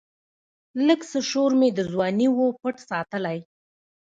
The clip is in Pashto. لږڅه شورمي د ځواني وًپټ ساتلی